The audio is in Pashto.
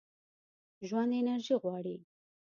ژوند انرژي غواړي.